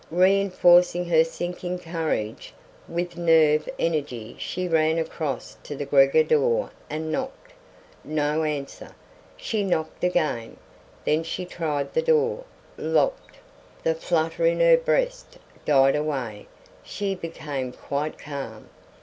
Reenforcing her sinking courage with nerve energy she ran across to the Gregor door and knocked. No answer. She knocked again; then she tried the door. Locked. The flutter in her breast died away; she became quite calm.